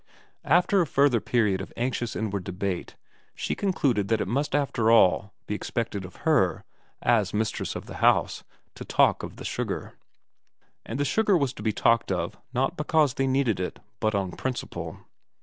After a further period of anxious inward debate she concluded that it must after all be expected of her, as mistress of the house, to talk of the sugar ; and the sugar was to be talked of not because they needed it but on principle.